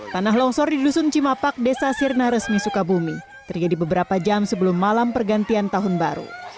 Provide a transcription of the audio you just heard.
tanah longsor di dusun cimapak desa sirna resmi sukabumi terjadi beberapa jam sebelum malam pergantian tahun baru